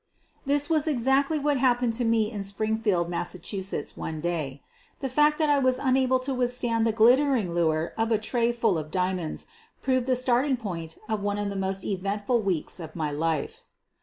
This was exactly what happened to me in Spring field, Mass., one day. The fact that I was unable to withstand the glittering lure of a tray full of diamonds proved the starting point of one of the most eventful weeks of my life.